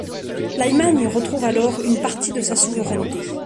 L'Allemagne retrouve alors une partie de sa souveraineté.